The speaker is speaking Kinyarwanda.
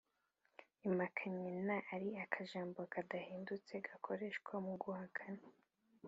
Impakanyi nta ari akajambo kadahinduka gakoreshwa mu guhakana.